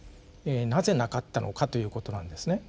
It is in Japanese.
なぜなかったのかということなんですね。